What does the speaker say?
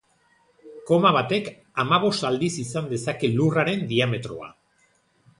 Koma batek hamabost aldiz izan dezake Lurraren diametroa.